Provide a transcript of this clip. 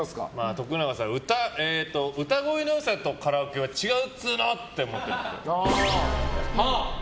徳永さん、歌声の良さとカラオケは違うっつーの！って思ってるっぽい。